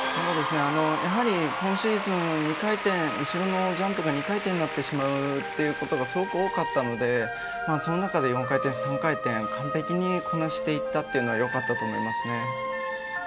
やはり今シーズン２回転後ろのジャンプが２回転になってしまうということがすごく多かったのでその中で４回転、３回転完璧にこなしていったのはよかったと思いますね。